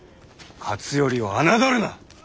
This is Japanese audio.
勝頼を侮るな！